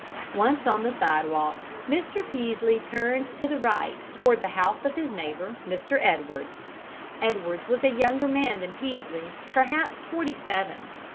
Once on the sidewalk, Mr. Peaslee turned to the right toward the house of his neighbor, Mr. Edwards. Edwards was a younger man than Peaslee, perhaps forty seven.